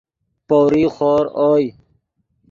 پؤریغ خور اوئے